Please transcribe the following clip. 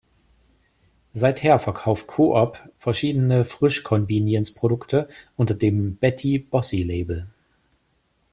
Seither verkauft Coop verschiedene Frischconvenience-Produkte unter dem Betty-Bossi-Label.